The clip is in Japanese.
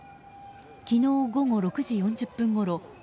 昨日午後６時４０分ごろ